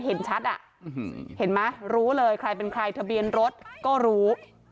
เห็นชัดอ่ะเห็นไหมรู้เลยใครเป็นใครทะเบียนรถก็รู้